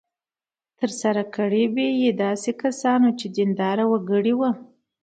ترسره کړې به وي داسې کسانو چې دینداره وګړي وو.